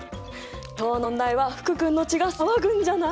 今日の問題は福君の血が騒ぐんじゃない！？